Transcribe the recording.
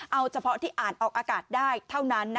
เอาเฉพาะที่อ่านออกอากาศได้เท่านั้น